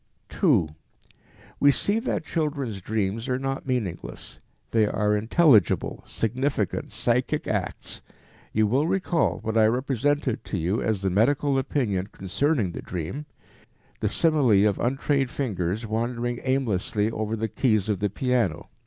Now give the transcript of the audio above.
2. We see that children's dreams are not meaningless; they are intelligible, significant, psychic acts. You will recall what I represented to you as the medical opinion concerning the dream, the simile of untrained fingers wandering aimlessly over the keys of the piano.